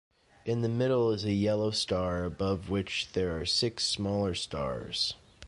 In the middle is a yellow star, above which there are six smaller stars.